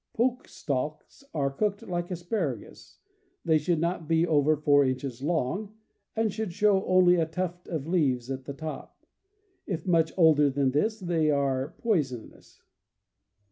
Poke stalks are cooked like asparagus. They should not be over four inches long, and should show only a tuft of leaves at the top; if much older than this, they are poisonous.